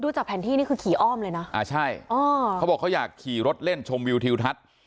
จากแผนที่นี่คือขี่อ้อมเลยนะอ่าใช่อ๋อเขาบอกเขาอยากขี่รถเล่นชมวิวทิวทัศน์